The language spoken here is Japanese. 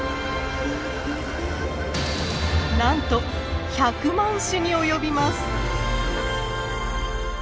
なんと１００万種に及びます。